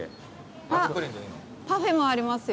あっパフェもありますよ。